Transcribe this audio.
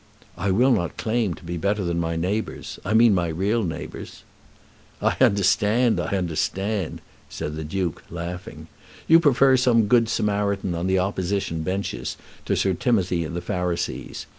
"I will not claim to be better than my neighbours, I mean my real neighbours." "I understand; I understand," said the Duke laughing. "You prefer some good Samaritan on the opposition benches to Sir Timothy and the Pharisees.